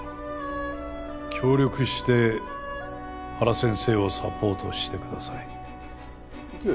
協力して原先生をサポートしてください。